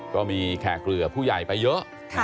ก็มีแขกเรือผู้ใหญ่ไปเยอะ